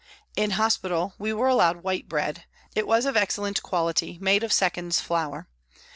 In hospital we were allowed white bread ; it was of excellent quality, made of seconds flour.